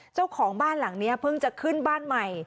เจ้าของบ้านหลังนี้เพิ่งจะขึ้นบ้านใหม่